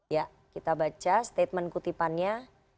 ya kita baca statement kutipannya